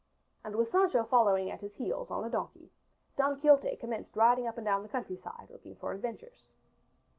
And with Sancho following at his heels on a donkey Don Quixote commenced riding up and down the countryside looking for adventures.